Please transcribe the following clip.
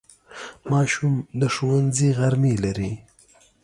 ماشوم د ښوونځي غرمې لري.